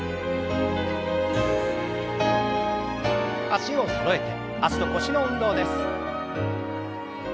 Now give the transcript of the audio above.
脚をそろえて脚と腰の運動です。